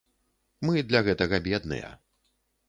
Мы для гэтага бедныя.